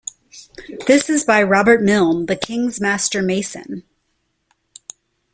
This is by Robert Mylne the King's Master Mason.